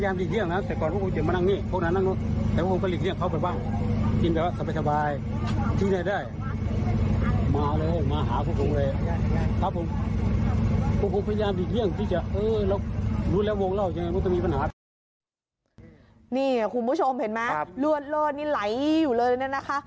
นี่คุณผู้ชมเห็นไหมเรื่อยนี่ไหลอยู่เลยนะคะ